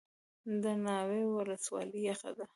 د ناور ولسوالۍ یخه ده